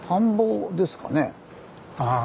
ああ